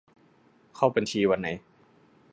เข้าบัญชีวันไหน